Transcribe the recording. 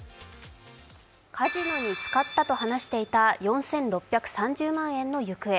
カジノに使ったと話していた４６３０万円の行方。